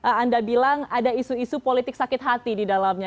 apakah anda bilang ada isu isu politik sakit hati di dalamnya